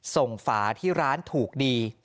ฝาที่ร้านถูกดี